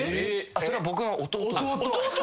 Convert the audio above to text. それは僕の弟です。